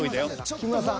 ［木村さん